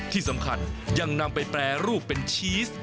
ที่สำคัญยังนำไปแปรรูปเป็นชีส